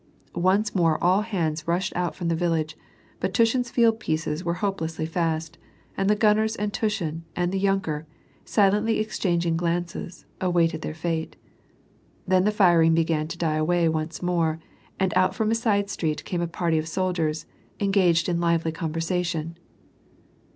Once more all hands rushed out from the village, biit Tushin's field pieces were ho[)elessly fast, and the gunners and Tushin and the yunker, silently exchang ingf glances, awaited their fate. Then the firing began to die away once more and out from a side street came a party of soldiers, engaged in lively conversation.